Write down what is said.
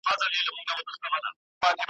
مخامخ یې کړله منډه په ځغستا سو `